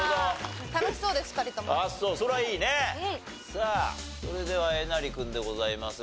さあそれではえなり君でございますが。